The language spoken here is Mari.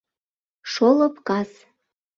Шолып кас